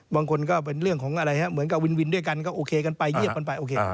ก็เป็นเรื่องของอะไรฮะเหมือนกับวินด้วยกันก็โอเคกันไปเยียบกันไปโอเค